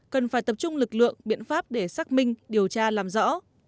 cần phải tập trung lực lượng biện pháp để xác minh điều tra làm rõ